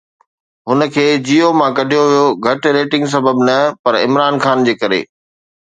هن کي جيو مان ڪڍيو ويو گهٽ ريٽنگ سبب نه پر عمران خان جي ڪري